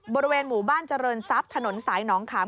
บริเวณหมู่บ้านเจริญทรัพย์ถนนสายหนองขาม